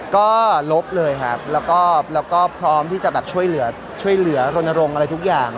ก็ลบเลยครับแล้วก็พร้อมที่จะช่วยเหลือโรนโรงอะไรทุกอย่าง